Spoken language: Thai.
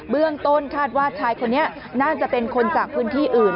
เบื้องต้นคาดว่าชายคนนี้น่าจะเป็นคนจากพื้นที่อื่น